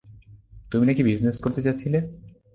তুমি নাকি বিজনেস করতে চাচ্ছিলে?